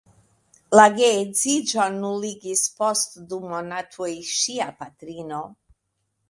La geedziĝon nuligis post du monatoj ŝia patrino.